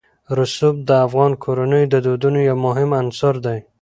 رسوب د افغان کورنیو د دودونو یو مهم عنصر دی.